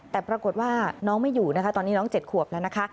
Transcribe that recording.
แต่ปรากฏว่าน้องไม่อยู่นะคะตอนนี้น้อง๗ขวบแล้วนะคะ